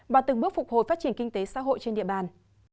và từng bước phục hồi phát triển kinh tế xã hội trên địa bàn